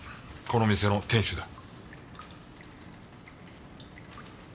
この店の店主だ。